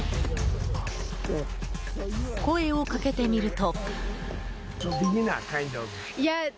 声をかけてみると。